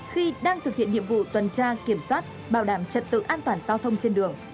khi đang thực hiện nhiệm vụ tuần tra kiểm soát bảo đảm trật tự an toàn giao thông trên đường